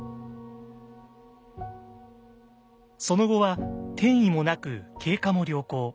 その後は転移もなく経過も良好。